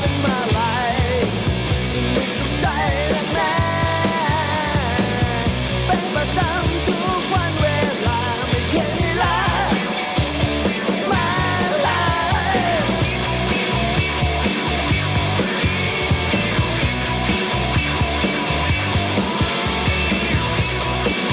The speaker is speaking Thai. เป็นเมื่อไหร่ฉันไม่สนใจแน่เป็นประจำทุกวันเวลาไม่เคียงให้รักเมื่อไหร่